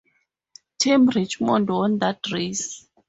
Tim Richmond won that race.